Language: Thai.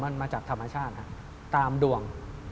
มันมาจากธรรมชาติตามดวง